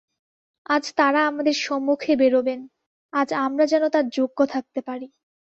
আজ তাঁরা আমাদের সম্মুখে বেরোবেন, আজ আমরা যেন তার যোগ্য থাকতে পারি।